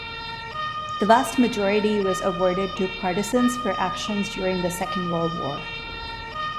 The vast majority was awarded to partisans for actions during the Second World War.